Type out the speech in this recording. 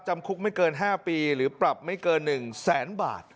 จำคุกไม่เกิน๕ปีหรือปรับไม่เกิน๑แสนบาท